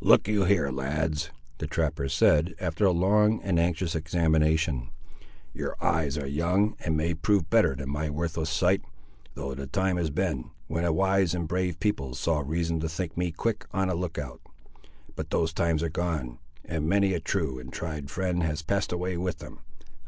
"Look you here, lads," the trapper said, after a long and anxious examination, "your eyes are young and may prove better than my worthless sight—though the time has been, when a wise and brave people saw reason to think me quick on a look out; but those times are gone, and many a true and tried friend has passed away with them.